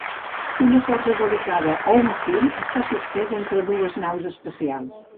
Una corda delicada o un fil està suspès entre dues naus espacials.